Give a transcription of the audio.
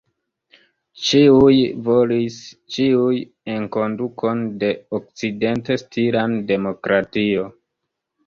Ĉiuj volis ĉiuj enkondukon de okcident-stilan demokratio.